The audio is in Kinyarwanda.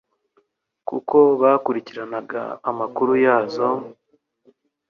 kuko bakurikiranaga amakuru yazo,